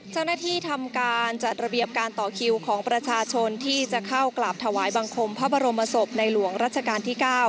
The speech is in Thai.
ทำการจัดระเบียบการต่อคิวของประชาชนที่จะเข้ากราบถวายบังคมพระบรมศพในหลวงรัชกาลที่๙